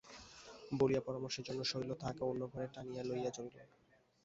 বলিয়া পরামর্শের জন্য শৈল তাঁহাকে অন্য ঘরে টানিয়া লইয়া চলিল।